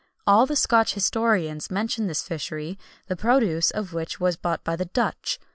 All the Scotch historians mention this fishery, the produce of which was bought by the Dutch.